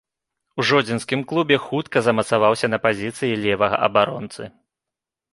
У жодзінскім клубе хутка замацаваўся на пазіцыі левага абаронцы.